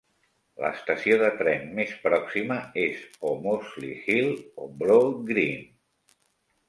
L'estació de tren més pròxima és o Mossley Hill o Broadgreen.